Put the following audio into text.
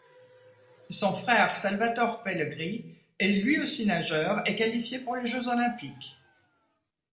Son frère Salvator Pellegry est lui aussi nageur et qualifié pour les jeux olympiques.